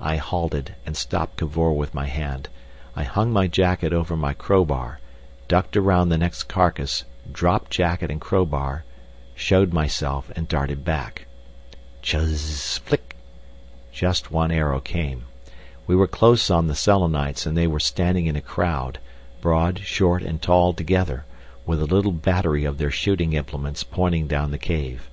I halted, and stopped Cavor with my hand. I hung my jacket over my crowbar, ducked round the next carcass, dropped jacket and crowbar, showed myself, and darted back. "Chuzz flick," just one arrow came. We were close on the Selenites, and they were standing in a crowd, broad, short, and tall together, with a little battery of their shooting implements pointing down the cave.